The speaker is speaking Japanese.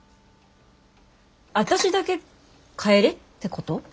私だけ帰れってこと？